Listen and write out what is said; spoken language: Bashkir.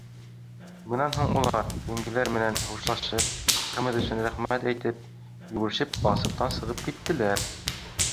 Бынан һуң улар, еңгәләр менән хушлашып, ҡымыҙ өсөн рәхмәт әйтеп, йүгерешеп аласыҡтан сығып киттеләр.